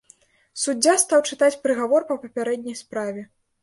Суддзя стаў чытаць прыгавор па папярэдняй справе.